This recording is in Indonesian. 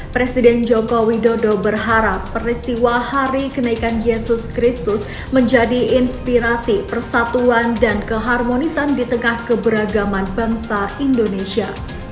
presiden joko widodo berharap peristiwa hari kenaikan yesus kristus menjadi inspirasi persatuan dan keharmonisan di tengah keberagaman bangsa indonesia